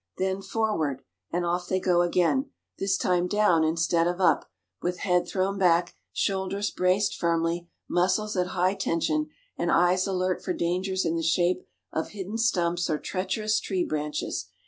"Then forward!" and off they go again, this time down instead of up, with head thrown back, shoulders braced firmly, muscles at high tension, and eyes alert for dangers in the shape of hidden stumps or treacherous tree branches.